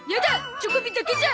チョコビだけじゃ。